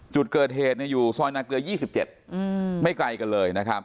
จุดเกิดเหตุอยู่ซอยนาเกลือ๒๗ไม่ไกลกันเลยนะครับ